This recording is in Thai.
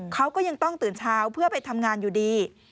เขาก็ยังต้องตื่นเช้าเพื่อไปทำงานอยู่ดี